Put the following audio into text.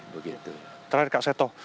terakhir kak seto